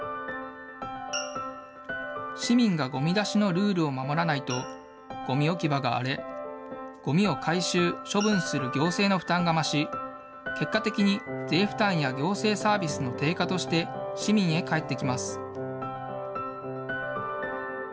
市民がごみ出しのルールを守らないと、ごみ置き場が荒れ、ごみを回収、処分する行政の負担が増し、結果的に税負担や行政サービスの低下として市民へ返ってきます。